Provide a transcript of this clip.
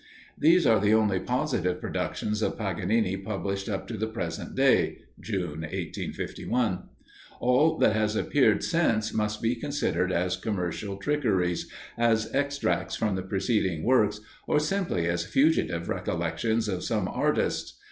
These are the only positive productions of Paganini published up to the present day (June, 1851); all that has appeared since must be considered as commercial trickeries, as extracts from the preceding works, or simply as fugitive recollections of some artists.